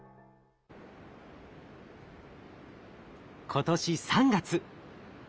今年３月。